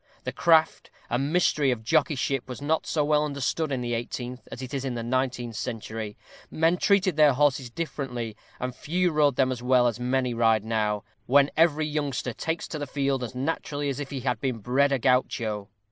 The craft and mystery of jockeyship was not so well understood in the eighteenth as it is in the nineteenth century; men treated their horses differently, and few rode them as well as many ride now, when every youngster takes to the field as naturally as if he had been bred a Guacho.